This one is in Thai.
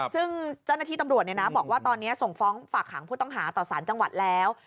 ซึ่งเจ้าหน้าที่ตำรวจบอกว่าตอนนี้ส่งฟ้องฝากหางผู้ต้องหาต่อสารจังหวัดแล้ว